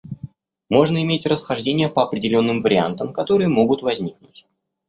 Можно иметь расхождения по определенным вариантам, которые могут возникнуть.